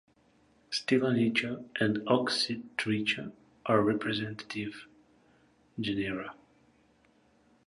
"Stylonychia" and "Oxytricha" are representative genera.